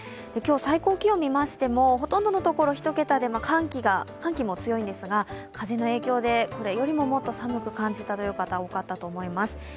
今日最高気温見ましてもほとんどのところ１桁で寒気も強いんですが風の影響で、これよりももっと寒く感じた方が多かったと思います。